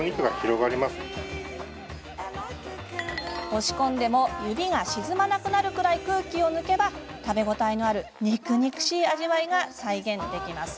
押し込んでも指が沈まなくなるくらい空気を抜けば、食べ応えのある肉肉しい味わいが再現できます。